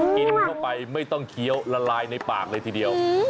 กินเข้าไปไม่ต้องเคี้ยวละลายในปากเลยทีเดียว